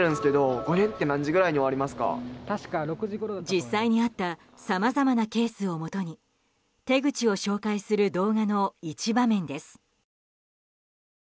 実際にあったさまざまなケースをもとに手口を紹介する動画の一場面です。